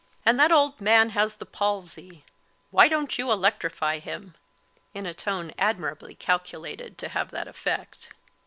And that old man has the palsy. Why don't you electrify him?' in a tone admirably calculated to have that effect.